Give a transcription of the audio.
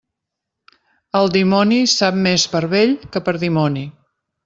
El dimoni sap més per vell que per dimoni.